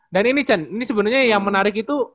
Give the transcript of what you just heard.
dan ini chen ini sebenernya yang menarik itu